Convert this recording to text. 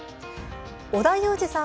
織田裕二さん